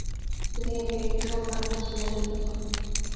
তিনি এই প্লেগটির সর্বনাশ ফার্সী ভাষায় লিখেছেন।